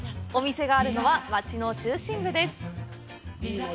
お店があるのは町の中心部です。